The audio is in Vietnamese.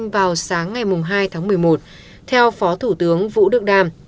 vào sáng ngày hai tháng một mươi một theo phó thủ tướng vũ đức đam